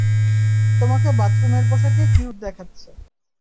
তোমাকে বাথরুমের পোশাকে কিউট দেখাচ্ছে।